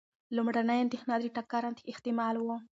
لومړنۍ اندېښنه د ټکر احتمال و.